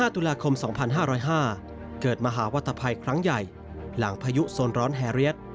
ตุลาคม๒๕๐๕เกิดมหาวัตถภัยครั้งใหญ่หลังพายุโซนร้อนแฮเรียส